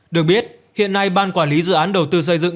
được biết hiện nay ban quản lý dự án đầu tư xây dựng